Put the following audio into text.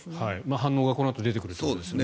反応がこのあと出てくるということですね。